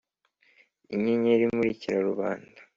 inyenyeri imurikira rubanda,